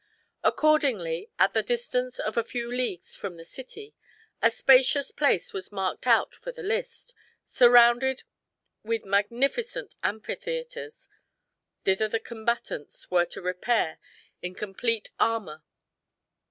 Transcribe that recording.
Accordingly, at the distance of a few leagues from the city, a spacious place was marked out for the list, surrounded with magnificent amphitheaters. Thither the combatants were to repair in complete armor.